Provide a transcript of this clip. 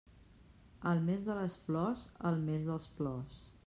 El mes de les flors, el mes dels plors.